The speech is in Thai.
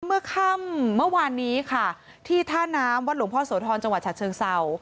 เมื่อค่ำเมื่อวานนี้ค่ะที่ท่าน้ำวัดหลวงพ่อโสธรจังหวัดฉะเชิงเศร้า